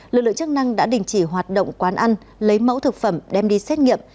lực lượng chức năng đã đình chỉ hoạt động quán ăn lấy mẫu thực phẩm đem đi xét nghiệm